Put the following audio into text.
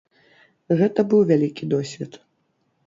Гэта быў вялікі досвед.